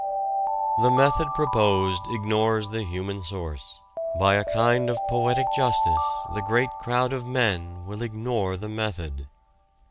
The method proposed ignores the human source: by a kind of poetic justice the great crowd of men will ignore the method.